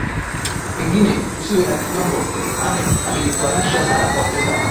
pengine kusiwe na kinyongo ame amenifurahisha sana profesa